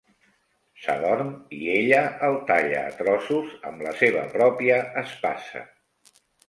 S'adorm i ella el talla a trossos amb la seva pròpia espasa.